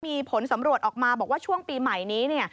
มีผลสำรวจออกมาบอกว่าช่วงปีใหม่นี้เนี่ย